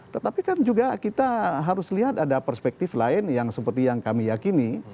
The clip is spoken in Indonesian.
tetapi kan juga kita harus lihat ada perspektif lain yang seperti yang kami yakini